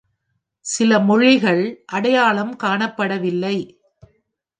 சில மொழிகள் அடையாளம் காணப்படவில்லை.